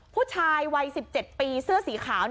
ผู้ชายวัย๑๗ปีเสื้อสีขาว